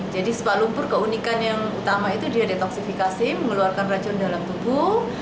jadi spa lumpur keunikan yang utama itu dia detoksifikasi mengeluarkan racun dalam tubuh